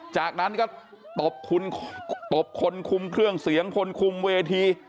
จากนั้นก็ตบคุณตบคนคุมเครื่องเสียงคนคุมเวที